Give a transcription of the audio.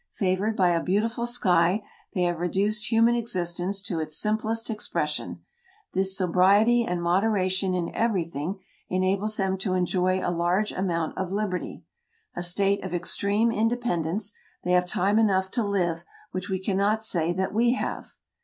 Favored by a beautiful sky, they have re duced human existence to its simplest expression ; this sobriety and moderation in everything enables them to enjoy a large amount of liberty, a state of extreme independence ; they have time enough to live, which we cannot say that we have.